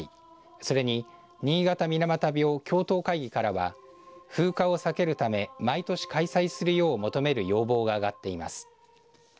それに新潟水俣病共闘会議からは風化を避けるため毎年開催するよう求める要望が上がっています。